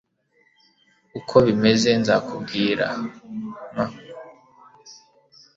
uko bimeze nzakubwira m